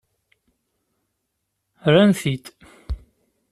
Rran-t-id.